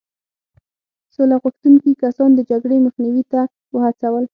سوله غوښتونکي کسان د جګړې مخنیوي ته وهڅول.